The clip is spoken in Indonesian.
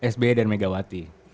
sby dan megawati